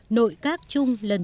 nội các chung lân dân